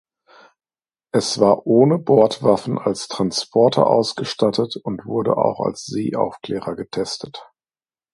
Es war ohne Bordwaffen als Transporter ausgestattet und wurde auch als Seeaufklärer getestet.